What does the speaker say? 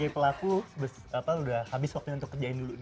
kalau sebagai pelaku udah habis waktunya untuk kerjain dulu